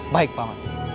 baik pak man